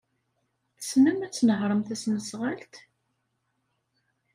Tessnem ad tnehṛem tasnasɣalt?